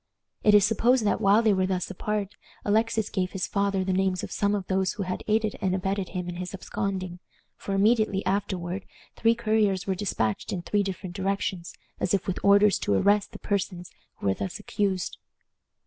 It is supposed that while they were thus apart Alexis gave his father the names of some of those who had aided and abetted him in his absconding, for immediately afterward three couriers were dispatched in three different directions, as if with orders to arrest the persons who were thus accused.